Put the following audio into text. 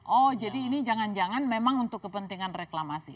oh jadi ini jangan jangan memang untuk kepentingan reklamasi